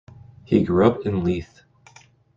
He grew up in Leith.